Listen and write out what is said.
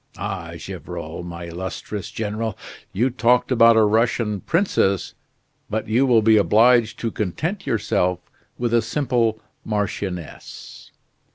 Ah! Gevrol, my illustrious General! you talked about a Russian princess, but you will be obliged to content yourself with a simple marchioness."